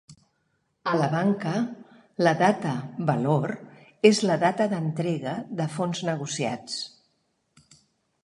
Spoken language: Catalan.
A la banca, la data valor és la data d'entrega de fons negociats.